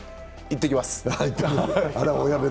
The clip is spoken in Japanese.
行ってきます。